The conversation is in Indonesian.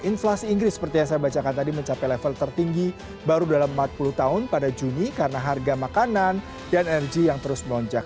inflasi inggris seperti yang saya bacakan tadi mencapai level tertinggi baru dalam empat puluh tahun pada juni karena harga makanan dan energi yang terus melonjak